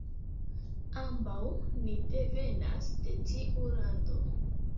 Ambaŭ ni devenas de tiu lando.